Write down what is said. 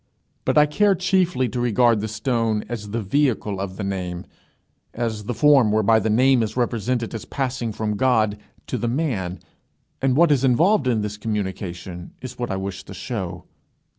But I care chiefly to regard the stone as the vehicle of the name, as the form whereby the name is represented as passing from God to the man, and what is involved in this communication is what I wish to show.